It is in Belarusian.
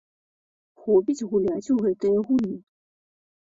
Хопіць гуляць у гэтыя гульні.